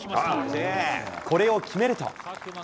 これを決めると。